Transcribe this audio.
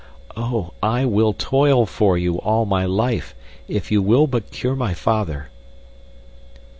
Oh! I will toil for you all my life, if you will but cure my father!"